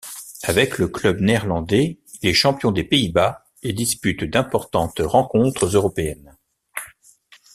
Avec le club néerlandais, il est champion des Pays-Bas et dispute d'importantes rencontres européennes.